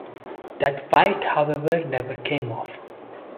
That fight, however, never came off.